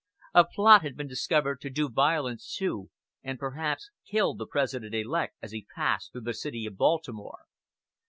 A plot had been discovered to do violence to, and perhaps kill, the President elect as he passed through the city of Baltimore.